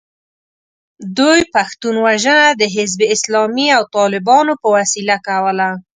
دوی پښتون وژنه د حزب اسلامي او طالبانو په وسیله کوله.